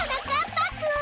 ぱくん！